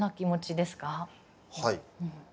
はい。